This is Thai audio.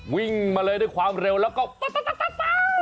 วิ่งมาเลยด้วยความเร็วแล้วก็ต๊ะต๊ะต๊ะต๊าว